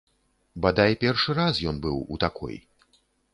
Бадай, першы раз ён быў у такой.